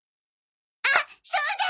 あっそうだ！